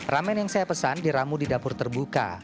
ramen yang saya pesan diramu di dapur terbuka